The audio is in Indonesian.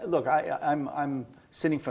saya berada di luar